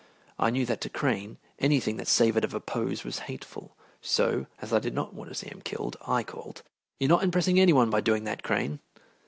I knew that to Crane, anything that savored of a pose was hateful, so, as I did not want to see him killed, I called, "You're not impressing any one by doing that, Crane."